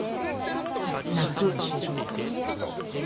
泣く